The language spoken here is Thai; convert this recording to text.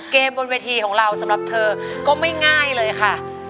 บนเวทีของเราสำหรับเธอก็ไม่ง่ายเลยค่ะ